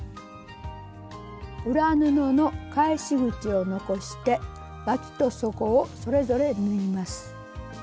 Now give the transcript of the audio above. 裏布の返し口を残してわきと底をそれぞれ縫います。